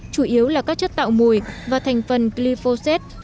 chủ yếu là các chất tạo mùi và thành phần glyphosate